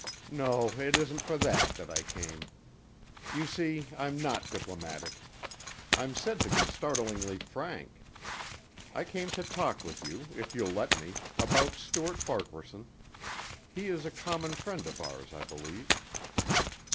"No, it isn't for that, that I came. You see I'm not diplomatic. I'm said to be startlingly frank. I came to talk with you, if you'll let me, about Stuart Farquaharson. He is a common friend of ours, I believe."